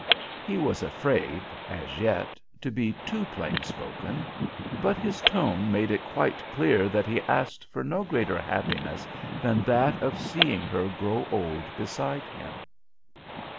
He was afraid, as yet, to be too plain spoken, but his tone made it quite clear that he asked for no greater happiness than that of seeing her grow old beside him.